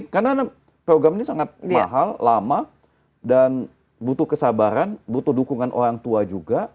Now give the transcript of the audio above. karena program ini sangat mahal lama dan butuh kesabaran butuh dukungan orang tua juga